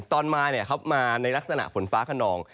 ตอนมามาในลักษณะฝนฟ้าขนอง